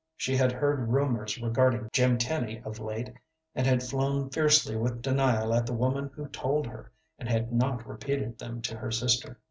She had heard rumors regarding Jim Tenny of late and had flown fiercely with denial at the woman who told her, and had not repeated them to her sister.